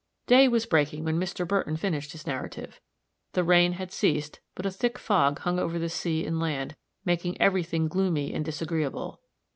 Day was breaking when Mr. Burton finished his narrative; the rain had ceased, but a thick fog hung over the sea and land, making every thing gloomy and disagreeable.